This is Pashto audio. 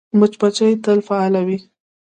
مچمچۍ تل فعاله وي